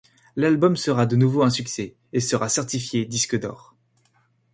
L'album sera de nouveau un succès, et sera certifié disque d'or.